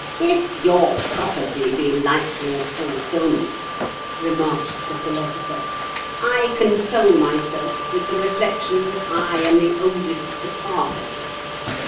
"If your prophecy be likely of fulfilment," remarked the Philosopher, "I console myself with the reflection that I am the oldest of the party.